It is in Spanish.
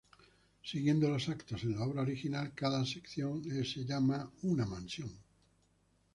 Siguiendo los actos en la obra original, cada sección es llamada una 'mansión'.